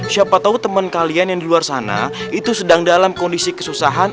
siapa tahu teman kalian yang di luar sana itu sedang dalam kondisi kesusahan